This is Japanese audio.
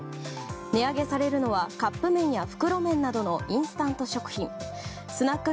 値上げされるのはカップ麺や袋麺などのインスタント食品スナック